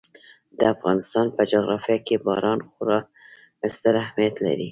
د افغانستان په جغرافیه کې باران خورا ستر اهمیت لري.